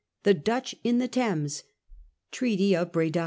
The Dutch in the Thames. Treaty of Breda.